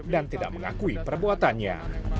dan tidak mengakui perbuatannya